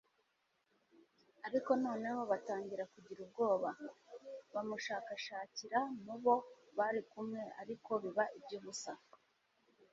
Ariko noneho batangira kugira ubwoba. Bamushakashakira mu bo bari kumwe, ariko biba iby'ubusa